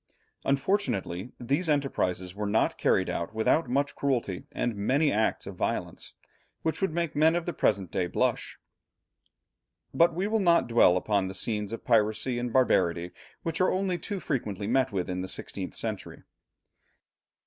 Unfortunately these enterprises were not carried out without much cruelty and many acts of violence which would make men of the present day blush. But we will not dwell upon the scenes of piracy and barbarity which are only too frequently met with in the sixteenth century.